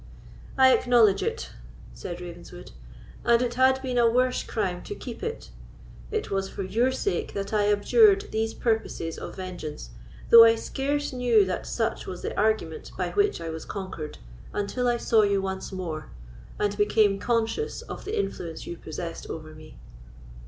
"I acknowledge it," said Ravenswood, "and it had been a worse crime to keep it. It was for your sake that I abjured these purposes of vengeance, though I scarce knew that such was the argument by which I was conquered, until I saw you once more, and became conscious of the influence you possessed over me."